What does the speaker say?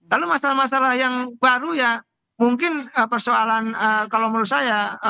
lalu masalah masalah yang baru ya mungkin persoalan kalau menurut saya